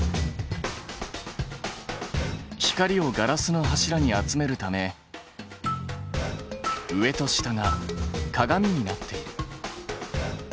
光をガラスの柱に集めるため上と下が鏡になっている。